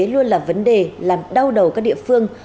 luôn là vấn đề làm đau đầu các địa phương